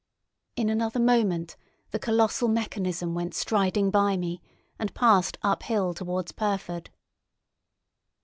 In another moment the colossal mechanism went striding by me, and passed uphill towards Pyrford.